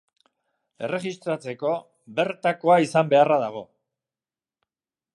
Erregistratzeko bertakoa izan beharra dago.